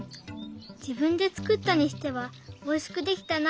自分で作ったにしてはおいしくできたな。